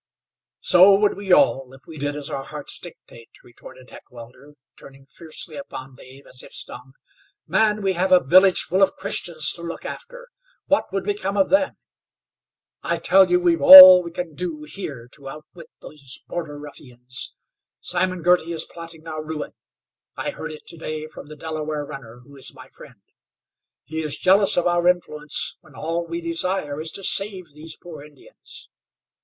"So would we all, if we did as our hearts dictate," retorted Heckewelder, turning fiercely upon Dave as if stung. "Man! we have a village full of Christians to look after. What would become of them? I tell you we've all we can do here to outwit these border ruffians. Simon Girty is plotting our ruin. I heard it to day from the Delaware runner who is my friend. He is jealous of our influence, when all we desire is to save these poor Indians.